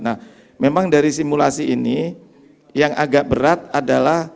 nah memang dari simulasi ini yang agak berat adalah